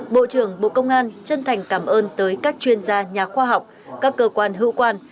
bộ trưởng bộ công an chân thành cảm ơn tới các chuyên gia nhà khoa học các cơ quan hữu quan